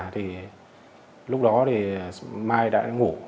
thì lúc đó thì mai đã ngủ